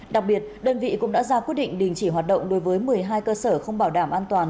đặc biệt đơn vị cũng đã ra quyết định đình chỉ hoạt động đối với một mươi hai cơ sở không bảo đảm an toàn